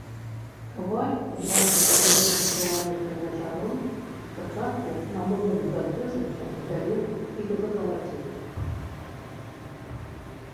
Каваль, убачыўшы гэтага чалавека ля жарон, спачатку на момант збянтэжыўся, збялеў і закалаціўся.